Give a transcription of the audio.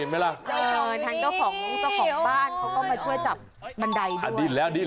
ค่ะปลอดภัยปลอดภัยดี